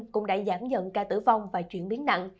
cũng đã giảm nhận ca tử vong và chuyển biến nặng